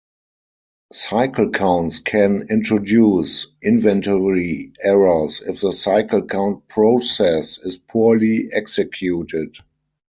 Cycle counts can introduce inventory errors if the cycle count process is poorly executed.